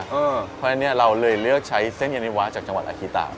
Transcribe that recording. เพราะฉะนั้นเราเลยเลือกใช้เส้นยานิวะจากจังหวัดอาคิตา